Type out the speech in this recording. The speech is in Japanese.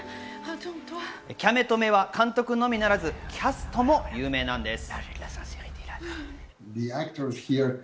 『キャメ止め』は監督のみならず、キャストも有名なんです。